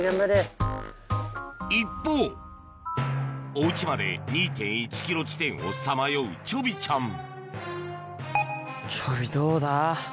一方おウチまで２．１ｋｍ地点をさまようちょびちゃんちょびどうだ？